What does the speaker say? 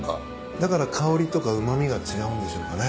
だから香りとかうま味が違うんでしょうかね。